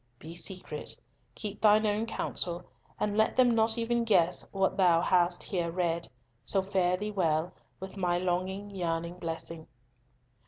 Be secret. Keep thine own counsel, and let them not even guess what thou hast here read. So fare thee well, with my longing, yearning blessing."